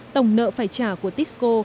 tổng nợ phải trả của tisco